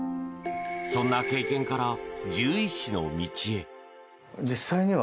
そんな経験から獣医師の道へ。